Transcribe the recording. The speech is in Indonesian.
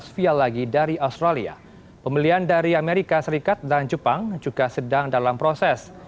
fembelian dari amerika serikat dan jepang juga sedang dalam proses